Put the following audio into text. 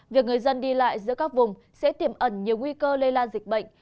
việc người dân đi lại giữa các vùng sẽ tiềm ẩn nhiều nguy cơ lây lan dịch bệnh